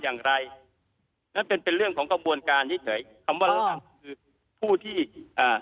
อย่างไรนั่นเป็นเป็นเรื่องของกระบวนการเฉยเฉยคำว่าเราทำคือผู้ที่อ่า